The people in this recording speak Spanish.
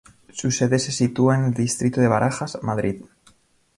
Su sede se sitúa en el distrito de Barajas, Madrid.